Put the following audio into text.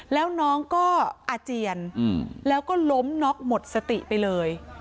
แล้วน้องก็อาเจียนแล้วก็ล้มน็อกหมดสติไปเลย